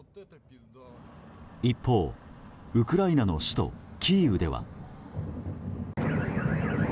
一方、ウクライナの首都キーウでは。